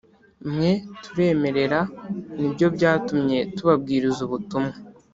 Mwe turemerera ni byo byatumye tubabwiriza ubutumwa